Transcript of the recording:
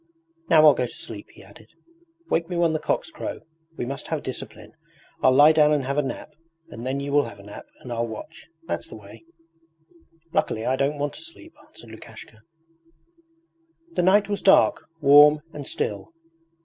'Now I'll go to sleep,' he added. 'Wake me when the cocks crow. We must have discipline. I'll lie down and have a nap, and then you will have a nap and I'll watch that's the way.' 'Luckily I don't want to sleep,' answered Lukashka. The night was dark, warm, and still.